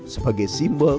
sebagai simbol kelapa